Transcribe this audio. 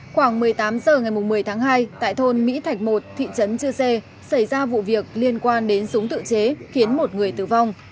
khoảng một mươi tám h ngày một mươi tháng hai tại thôn mỹ thạch một thị trấn chư sê xảy ra vụ việc liên quan đến súng tự chế khiến một người tử vong